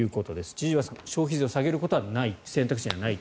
千々岩さん、消費税を下げることは選択肢にはないと。